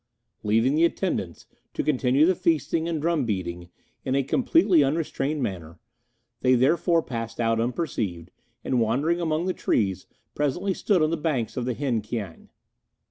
Leaving the attendants to continue the feasting and drum beating in a completely unrestrained manner, they therefore passed out unperceived, and wandering among the trees, presently stood on the banks of the Heng Kiang.